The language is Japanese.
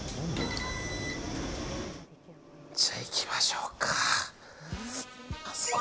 じゃあ、いきましょうか。